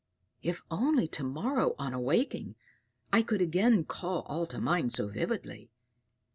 If only to morrow on awaking, I could again call all to mind so vividly!